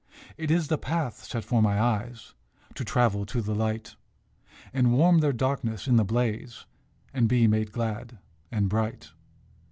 It is the path set for my eyes To travel to the light, And warm their darkness in the blaze, And be made glad and bright.